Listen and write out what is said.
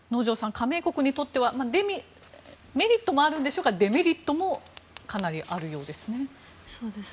加盟国にとってはメリットもあるんでしょうけどデメリットもかなりあるようですね。